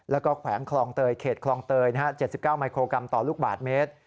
แล้วก็แขวงคลองเตยเขตคลองเตย๗๙มิโครกรัมต่อลูกบาทเมตร